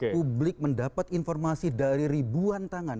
publik mendapat informasi dari ribuan tangan